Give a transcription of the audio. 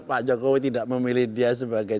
pak jokowi tidak memilih dia sebagai